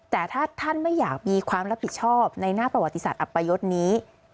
แต่ถ้าท่านไม่อยากมีความรับผิดชอบในหน้าประวัติศาสตอัปยศนี้